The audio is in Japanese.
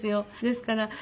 ですから。